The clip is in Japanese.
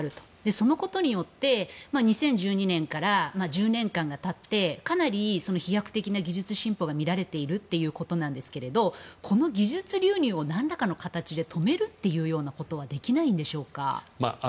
そのことによって２０１２年から１０年間が経ってかなり飛躍的な技術進歩が見られているということですがこの技術流入を何らかの形で止めることはできないんですか？